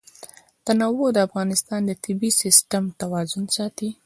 تنوع د افغانستان د طبعي سیسټم توازن ساتي.